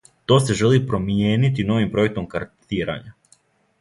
То се жели промијенити новим пројектом картирања.